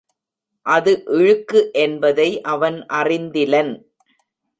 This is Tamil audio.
அது இழுக்கு என்பதை அவன் அறிந்திலன்.